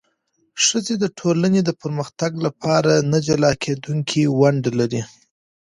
ښځې د ټولنې د پرمختګ لپاره نه جلا کېدونکې ونډه لري.